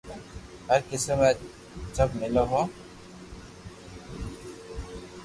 هر قسم را چپ ملو هو